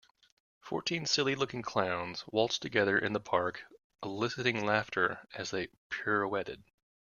Fourteen silly looking clowns waltzed together in the park eliciting laughter as they pirouetted.